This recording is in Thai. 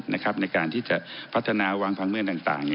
ในการที่จะพัฒนาวางพังเงินต่าง